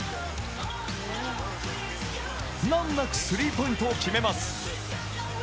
難なくスリーポイントを決めます。